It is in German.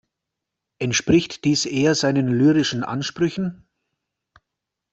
Entspricht dies eher seinen lyrischen Ansprüchen?